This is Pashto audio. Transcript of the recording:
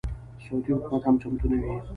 سعودي حکومت هم چمتو نه وي.